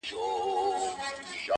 د غليم په بنګلو کي -